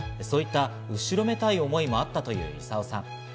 そういった後ろめたい思いもあったという功さん。